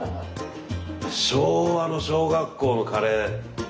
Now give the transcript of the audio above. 昭和の小学校のカレー。